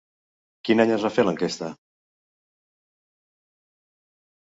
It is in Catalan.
Quin any es va fer l'enquesta?